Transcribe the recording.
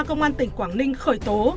công an tỉnh quảng ninh khởi tố